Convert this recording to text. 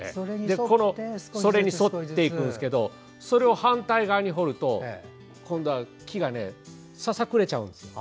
それに沿っていくんですけどそれを反対側に彫ると今度は木がささくれちゃうんですよ。